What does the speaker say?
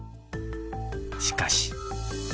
しかし。